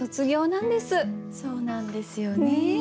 そうなんですよね。